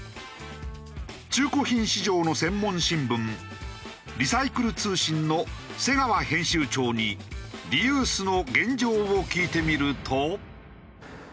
中古品市場の専門新聞『リサイクル通信』の瀬川編集長にリユースの現状を聞いてみると。